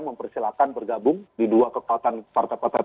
mempersilahkan bergabung di dua kekuatan partai partai